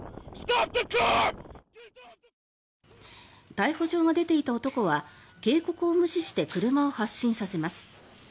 逮捕状が出ていた男は警告を無視して車を発進させます。